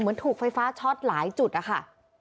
เหมือนถูกไฟฟ้าช็อตหลายจุดนะคะ